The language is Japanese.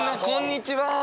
こんにちは。